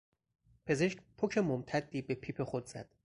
پزشک پک ممتدی به پیپ خود زد.